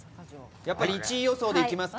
やっぱり１位予想でいきます？